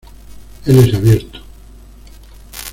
Él es abierto.